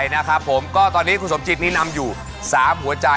จากเรื่อยที่เค้าบอกว่า๓ยาว